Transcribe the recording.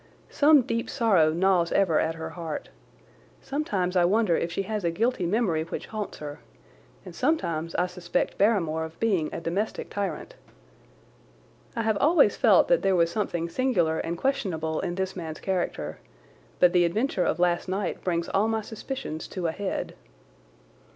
Some deep sorrow gnaws ever at her heart. Sometimes I wonder if she has a guilty memory which haunts her, and sometimes I suspect Barrymore of being a domestic tyrant. I have always felt that there was something singular and questionable in this man's character, but the adventure of last night brings all my suspicions to a head.